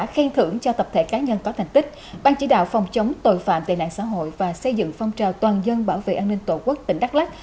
khen thưởng cho tập thể cá nhân có thành tích ban chỉ đạo phòng chống tội phạm về nạn xã hội và xây dựng phong trào toàn dân bảo vệ an ninh tổ quốc tỉnh đắk lắc